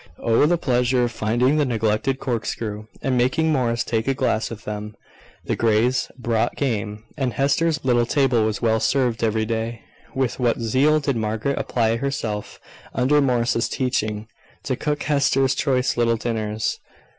Oh, the pleasure of finding the neglected corkscrew, and making Morris take a glass with them! The Greys brought game, and Hester's little table was well served every day. With what zeal did Margaret apply herself, under Morris's teaching, to cook Hester's choice little dinners!